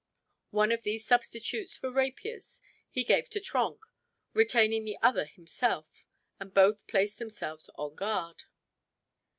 One of these substitutes for rapiers he gave to Trenck, retaining the other himself, and both placed themselves on guard.